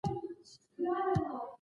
له حاصله یې د سونډو تار جوړیږي